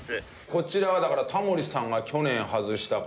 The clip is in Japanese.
こちらはだからタモリさんが去年外した多治見と。